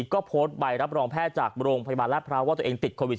ก็โพสต์ใบรับรองแพทย์จากโรงพยาบาลราชพร้าวว่าตัวเองติดโควิด